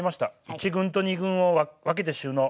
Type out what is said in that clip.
１軍と２軍を分けて収納。